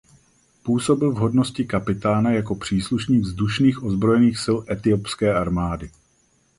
Působil v hodnosti kapitána jako příslušník vzdušných ozbrojených sil etiopské armády.